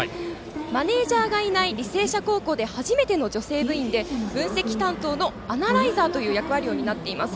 マネージャーがいない履正社高校で初めての女性部員で分析担当のアナライザーという役割を担っています。